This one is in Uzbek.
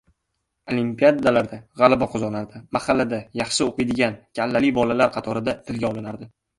Olimpiadalarda gʻalaba qozonardi, mahallada yaxshi oʻqiydigan “kallali” bolalar qatorida tilga olinardi.